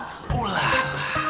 abi kapan aku jadi sultan